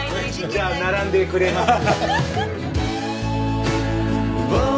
じゃあ並んでくれます？